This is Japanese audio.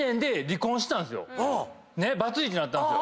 バツイチになったんすよ。